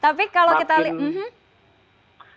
tapi kalau kita lihat